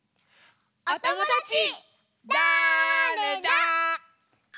おともだちだれだ？